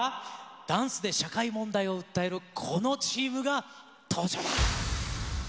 ダンスで社会問題を訴えるこのチームが登場だ。